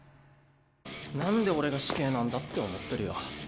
「なんで俺が死刑なんだ？」って思ってるよ。